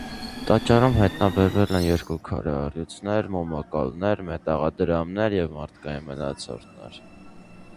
Տաճարում հայտանբերվել են՝ երկու քարե առյուծներ, մոմակալներ, մետաղադրամներ և մարդկային մնացորդներ։